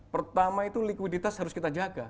pertama itu likuiditas harus kita jaga